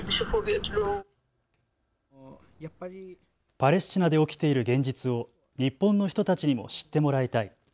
パレスチナで起きている現実を日本の人たちにも知ってもらいたい。